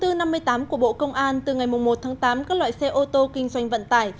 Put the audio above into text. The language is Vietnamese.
thông tư năm mươi tám của bộ công an từ ngày một tháng tám các loại xe ô tô kinh doanh vận tải